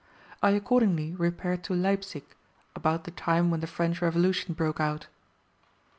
I accordingly repaired to Leipsic, about the time when the French Revolution broke out.